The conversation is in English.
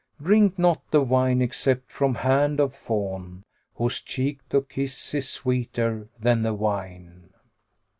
[FN#96] Drink not the wine except from hand of fawn * Whose cheek to kiss is sweeter than the wine."